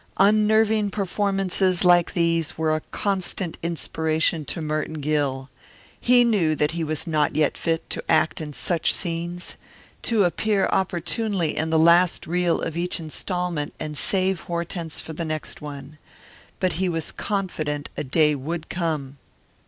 Unnerving performances like these were a constant inspiration to Merton Gill. He knew that he was not yet fit to act in such scenes to appear opportunely in the last reel of each installment and save Hortense for the next one. But he was confident a day would come.